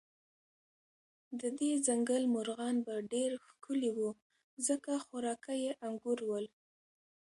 د دې ځنګل مرغان به ډېر ښکلي و، ځکه خوراکه یې انګور ول.